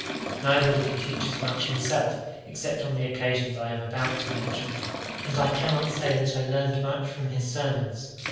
Neither did he teach us much himself, except on the occasions I am about to mention; and I cannot say that I learned much from his sermons.